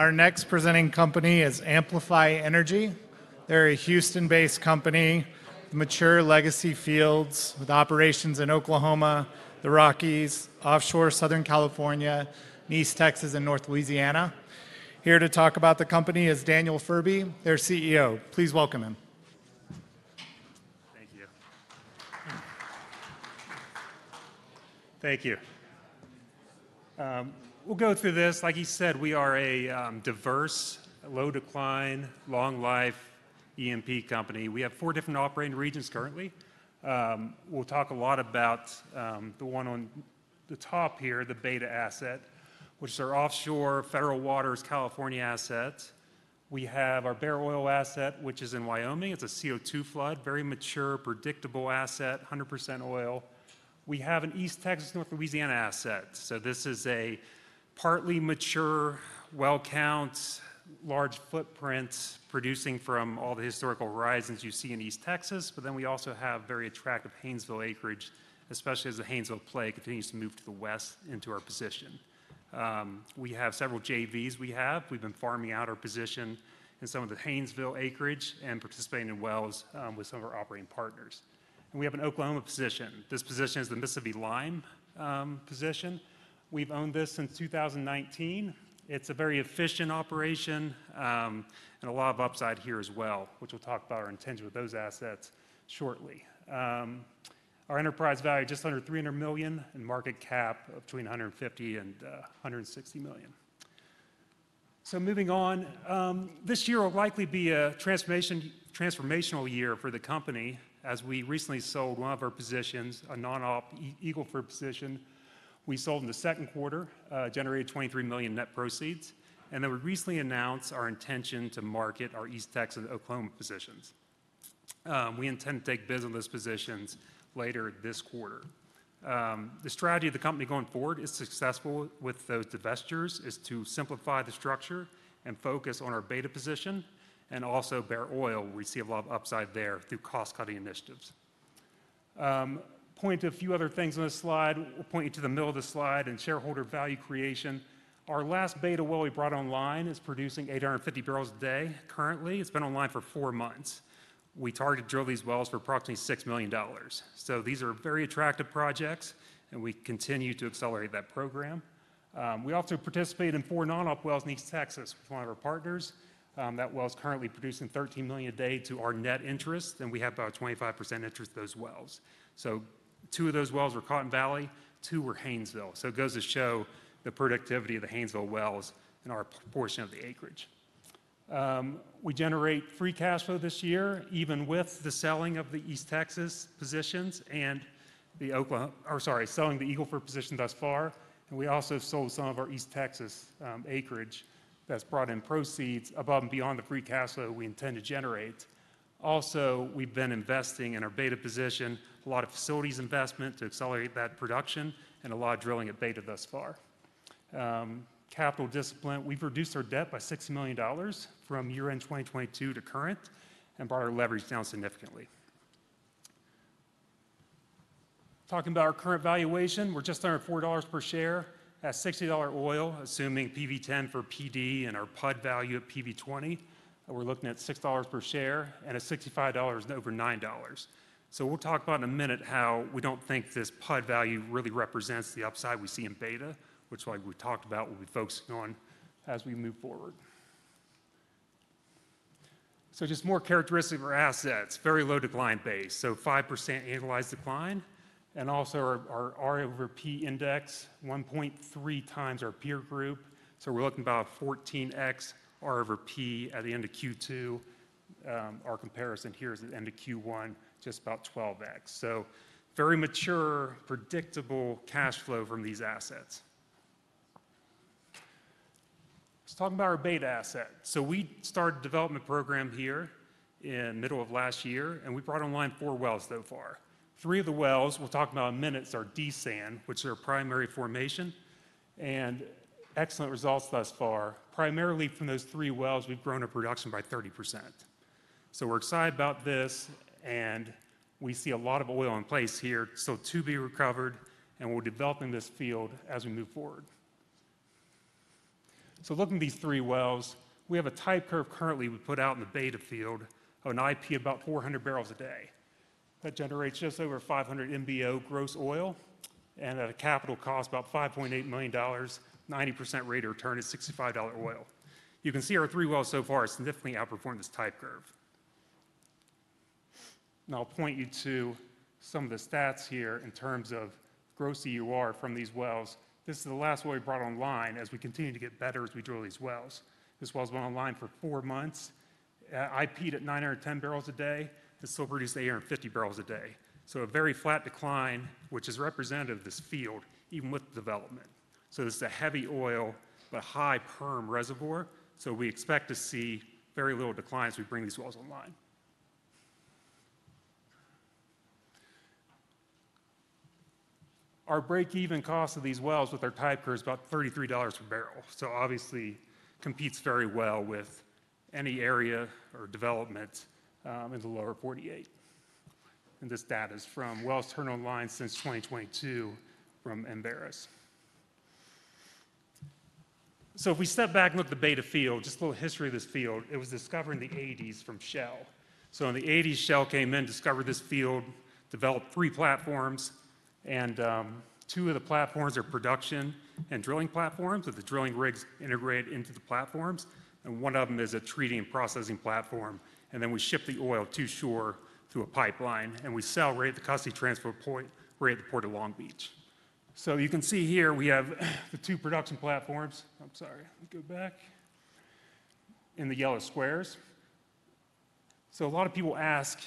Our next presenting company is Amplify Energy. They're a Houston-based company, mature legacy fields with operations in Oklahoma, the Rockies, offshore Southern California, East Texas, and North Louisiana. Here to talk about the company is Daniel Furbee, their CEO. Please welcome him. Thank you. Thank you. We'll go through this. Like he said, we are a diverse, low-decline, long-life E&P company. We have four different operating regions currently. We'll talk a lot about the one on the top here, the Beta asset, which is our offshore Federal Waters, Southern California asset. We have our Bairoil asset, which is in Wyoming. It's a CO₂ flood, very mature, predictable asset, 100% oil. We have an East Texas, North Louisiana asset. This is a partly mature, well-count, large footprint producing from all the historical horizons you see in East Texas. We also have very attractive Haynesville acreage, especially as the Haynesville play continues to move to the west into our position. We have several joint ventures. We've been farming out our position in some of the Haynesville acreage and participating in wells with some of our operating partners. We have an Oklahoma position. This position is the Mississippi Lime position. We've owned this since 2019. It's a very efficient operation and a lot of upside here as well, which we'll talk about our intention with those assets shortly. Our enterprise value is just under $300 million and market cap of between $150 million and $160 million. Moving on, this year will likely be a transformational year for the company as we recently sold one of our positions, a non-op Eagle Ford position. We sold in the second quarter, generated $23 million net proceeds, and then we recently announced our intention to market our East Texas, Oklahoma positions. We intend to take business positions later this quarter. The strategy of the company going forward if successful with the divestitures is to simplify the structure and focus on our Beta position and also Bairoil. We see a lot of upside there through cost-cutting initiatives. Point to a few other things on this slide. We'll point you to the middle of the slide and shareholder value creation. Our last Beta well we brought online is producing 850 bbl a day currently. It's been online for four months. We target to drill these wells for approximately $6 million. These are very attractive projects, and we continue to accelerate that program. We also participated in four non-op wells in East Texas with one of our partners. That well is currently producing 13 million a day to our net interest, and we have about 25% interest in those wells. Two of those wells were Cotton Valley, two were Haynesville. It goes to show the productivity of the Haynesville wells in our portion of the acreage. We generate free cash flow this year, even with the selling of the East Texas positions and the Oklahoma, or sorry, selling the Eagle Ford position thus far. We also sold some of our East Texas acreage that's brought in proceeds above and beyond the free cash flow we intend to generate. We've been investing in our Beta position, a lot of facilities investment to accelerate that production, and a lot of drilling at Beta thus far. Capital discipline, we've reduced our debt by $6 million from year-end 2022 to current and brought our leverage down significantly. Talking about our current valuation, we're just under $4 per share. At $60 oil, assuming PV10 for PD and our POD value at PV20, we're looking at $6 per share and at $65 and over $9. We'll talk about in a minute how we don't think this POD value really represents the upside we see in Beta, which is why we've talked about what we're focusing on as we move forward. More characteristics of our assets: very low decline base, so 5% annualized decline. Also our R/P index, 1.3x our peer group. We're looking about 14x R/P at the end of Q2. Our comparison here is at the end of Q1, just about 12x. Very mature, predictable cash flow from these assets. Let's talk about our Beta asset. We started a development program here in the middle of last year, and we brought online four wells so far. Three of the wells, we'll talk about in a minute, are D Sand, which are primary formation, and excellent results thus far. Primarily from those three wells, we've grown our production by 30%. We're excited about this, and we see a lot of oil in place here to be recovered, and we're developing this field as we move forward. Looking at these three wells, we have a type curve currently we put out in the Beta field of an IP of about 400 bbl a day. That generates just over 500 MBO gross oil, and at a capital cost of about $5.8 million, 90% rate of return is $65 oil. You can see our three wells so far have significantly outperformed this type curve. I'll point you to some of the stats here in terms of gross EUR from these wells. This is the last one we brought online as we continue to get better as we drill these wells. This well's been online for four months. IP'd at 910 bbl a day. This will produce 850 bbl a day. A very flat decline, which is representative of this field, even with the development. This is a heavy oil but high perm reservoir. We expect to see very little decline as we bring these wells online. Our break-even cost of these wells with our type curve is about $33 per barrel. This obviously competes very well with any area or development in the Lower 48. This data is from wells turned online since 2022 from Embaris. If we step back and look at the Beta field, just a little history of this field, it was discovered in the 1980s by Shell. In the 1980s, Shell came in, discovered this field, developed three platforms, and two of the platforms are production and drilling platforms, with the drilling rigs integrated into the platforms. One of them is a treating and processing platform. We ship the oil to shore through a pipeline, and we sell right at the custody transport point, right at the Port of Long Beach. You can see here we have the two production platforms. In the yellow squares. A lot of people ask,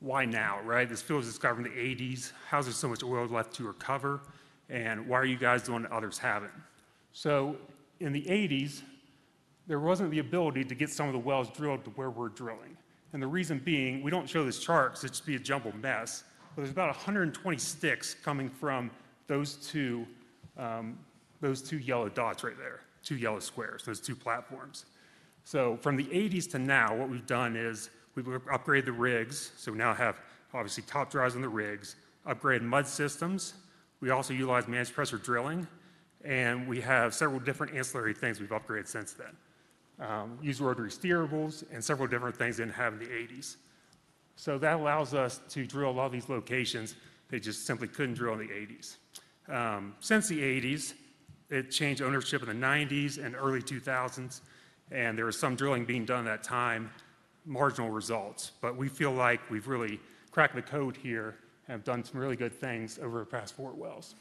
why now, right? This field was discovered in the 1980s. How is there so much oil left to recover? Why are you guys doing what others haven't? In the 1980s, there wasn't the ability to get some of the wells drilled to where we're drilling. The reason being, we don't show this chart because it'd just be a jumbled mess, but there's about 120 sticks coming from those two yellow dots right there, two yellow squares, those two platforms. From the 1980s to now, what we've done is we've upgraded the rigs. We now have obviously top drives on the rigs, upgraded mud systems. We also utilize managed pressure drilling, and we have several different ancillary things we've upgraded since then. Use rotary steerables and several different things they didn't have in the 1980s. That allows us to drill a lot of these locations they just simply couldn't drill in the 1980s. Since the 1980s, it changed ownership in the 1990s and early 2000s, and there was some drilling being done at that time, marginal results. We feel like we've really cracked the code here and have done some really good things over the past four wells.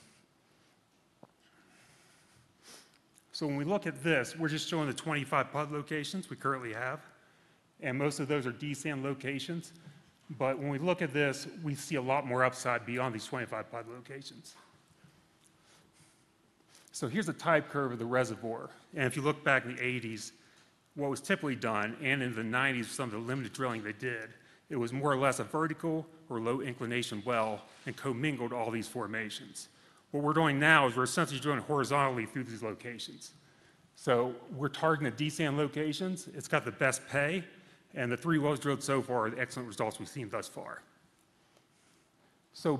When we look at this, we're just showing the 25 pod locations we currently have, and most of those are D Sand locations. When we look at this, we see a lot more upside beyond these 25 pod locations. Here's a type curve of the reservoir. If you look back in the 1980s, what was typically done, and in the 1990s, some of the limited drilling they did, it was more or less a vertical or low-inclination well and commingled all these formations. What we're doing now is we're essentially drilling horizontally through these locations. We're targeting the D Sand locations. It's got the best pay, and the three wells drilled so far are the excellent results we've seen thus far.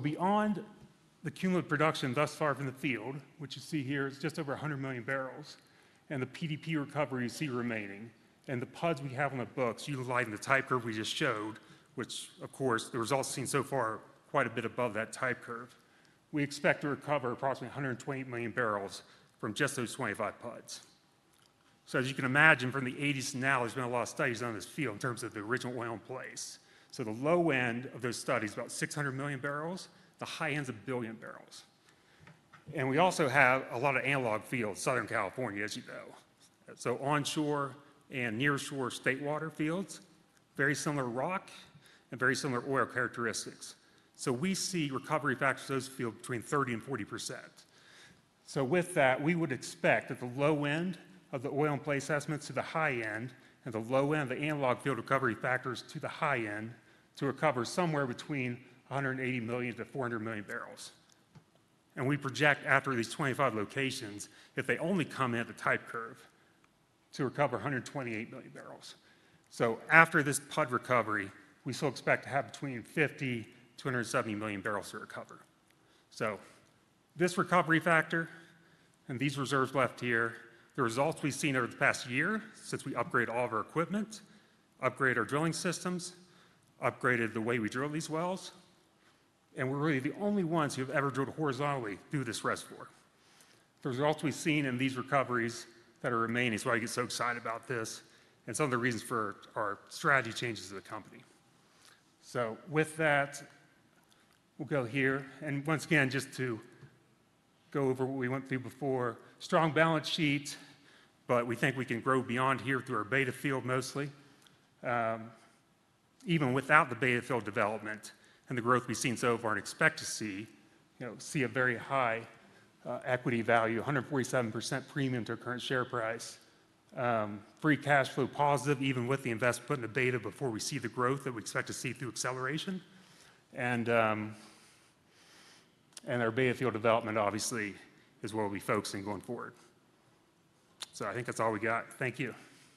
Beyond the cumulative production thus far from the field, which you see here is just over 100 million bbl, and the PDP recovery you see remaining, and the pods we have on the books utilizing the type curve we just showed, which of course the results seen so far are quite a bit above that type curve, we expect to recover approximately 120 million bbl from just those 25 pods. As you can imagine, from the 1980s to now, there's been a lot of studies on this field in terms of the original oil in place. The low end of those studies is about 600 million bbl, the high end is a billion barrels. We also have a lot of analog fields, Southern California, as you know. Onshore and nearshore state water fields have very similar rock and very similar oil characteristics. We see recovery factors of those fields between 30% and 40%. With that, we would expect at the low end of the oil in place estimates to the high end and the low end of the analog field recovery factors to the high end to recover somewhere between 180 million bbl - 400 million bbl. We project after these 25 locations, if they only come in at the type curve, to recover 128 million bbl. After this pod recovery, we still expect to have between 50 bbl - 170 million bbl to recover. This recovery factor and these reserves left here, the results we've seen over the past year since we upgraded all of our equipment, upgraded our drilling systems, upgraded the way we drill these wells, and we're really the only ones who have ever drilled horizontally through this reservoir. The results we've seen in these recoveries that are remaining is why we get so excited about this and some of the reasons for our strategy changes in the company. With that, we'll go here. Once again, just to go over what we went through before, strong balance sheet, but we think we can grow beyond here through our Beta asset mostly. Even without the Beta asset development and the growth we've seen so far and expect to see, you know, see a very high equity value, 147% premium to our current share price, free cash flow positive even with the investment put in the Beta before we see the growth that we expect to see through acceleration. Our Beta asset development obviously is where we'll be focusing going forward. I think that's all we got. Thank you.